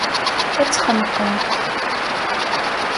Ad tt-xenqent.